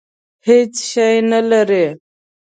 هېڅ شی نه لري.